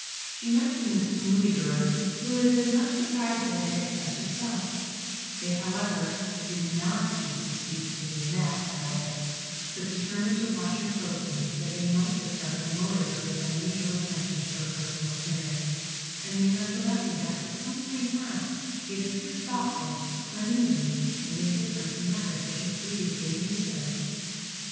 She mentioned this to Mulidor, who was as much surprised at it as herself; they, however, did not choose to speak to her about it, but determined to watch her closely, that they might discover the motive of this unusual attention to her personal appearance, and they recollected that for some time past she had appeared thoughtful, uneasy, and indifferent to matters which had previously amused her.